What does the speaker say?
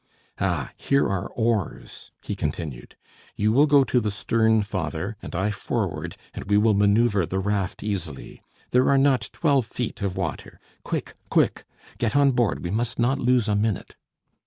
"Ah! here are oars," he continued. "You will go to the stern, father, and I forward, and we will manoeuvre the raft easily. There are not twelve feet of water. Quick, quick! get on board, we must not lose a minute."